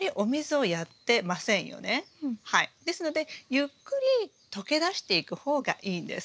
ですのでゆっくり溶け出していく方がいいんです。